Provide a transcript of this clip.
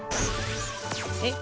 えっ？